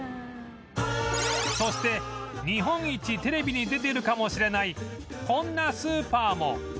そして日本一テレビに出ているかもしれないこんなスーパーも